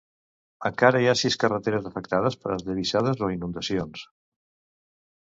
Encara hi ha sis carreteres afectades per esllavissades o inundacions.